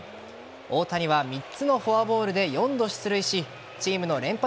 大谷は３つのフォアボールで４度出塁しチームの連敗